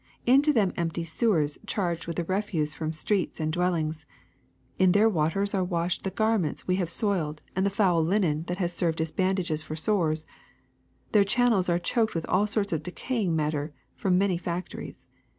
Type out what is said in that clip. Into them empty sewers charged with the refuse from streets and dwellings ; in their waters are washed the garments we have soiled and the foul linen that has served as bandages for sores; their channels are choked with all sorts of decaying matter from many factories.